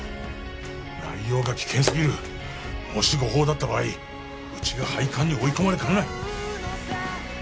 内容が危険すぎるもし誤報だった場合うちが廃刊に追い込まれかねない